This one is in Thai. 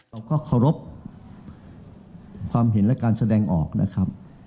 เราก็เคารพความเห็นและการแสดงออกนะครับ